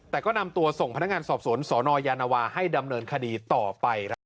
แต่ก็นำตัวส่งพนักงานสอบสวนสนยานวาให้ดำเนินคดีต่อไปครับ